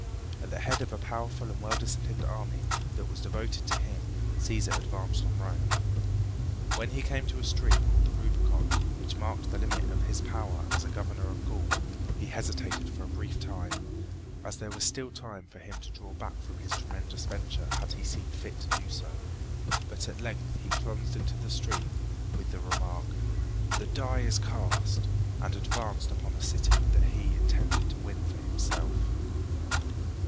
At the head of a powerful and well disciplined army that was devoted to him, Cæsar advanced on Rome. When he came to a stream called the Rubicon, which marked the limit of his power as governor of Gaul, he hesitated for a brief time, as there was still time for him to draw back from his tremendous venture had he seen fit to do so but at length he plunged into the stream with the remark, "The die is cast," and advanced upon the city that he intended to win for himself.